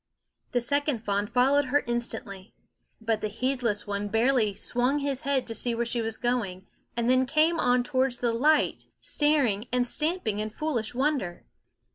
The second fawn followed her instantly; but the heedless one barely swung his head to see where she was going, and then came on towards the light, staring and stamping in foolish wonder.